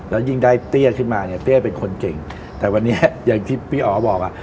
แล้วยิ่งได้เตี้ยขึ้นมาเนี่ยเตี้ยเป็นคนเก่งแต่วันนี้อย่างที่พี่อ๋อบอกอ่ะ